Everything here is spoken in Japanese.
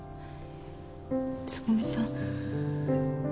つぐみさん。